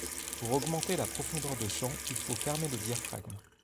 Pour augmenter la profondeur de champ, il faut fermer le diaphragme.